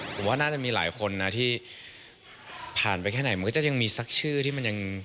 ผมว่าน่าจะมีหลายคนนะที่ผ่านไปแค่ไหนมันก็จะยังมีสักชื่อที่มันยัง